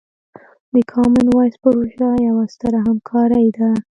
د کامن وایس پروژه یوه ستره همکارۍ ده.